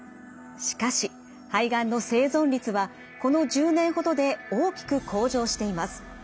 しかし肺がんの生存率はこの１０年ほどで大きく向上しています。